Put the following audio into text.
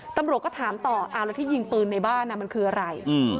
ตำรวจก็ถามต่อเอาแล้วที่ยิงปืนในบ้านมันคืออะไร